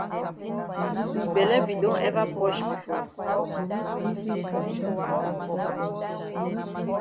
Yi bele be don ever posh before?